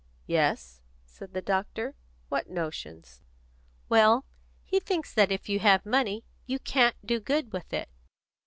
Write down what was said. "Yes?" said the doctor. "What notions?" "Well, he thinks that if you have money, you can't do good with it."